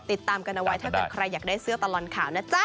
ติดตามกันเอาไว้ถ้าเกิดใครอยากได้เสื้อตลอดข่าวนะจ๊ะ